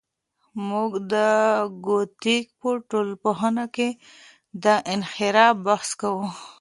موږ د کوږتګ په ټولنپوهنه کې د انحراف بحث کوو.